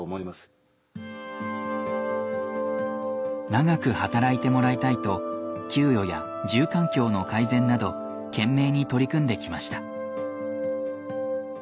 長く働いてもらいたいと給与や住環境の改善など懸命に取り組んできました。